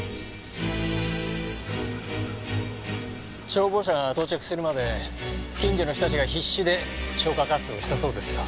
消防車が到着するまで近所の人たちが必死で消火活動をしたそうですよ。